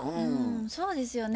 そうですよね。